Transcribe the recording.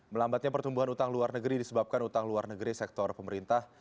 melambatnya pertumbuhan utang luar negeri disebabkan utang luar negeri sektor pemerintah